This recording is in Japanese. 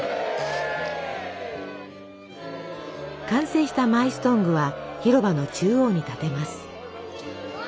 完成したマイストングは広場の中央に立てます。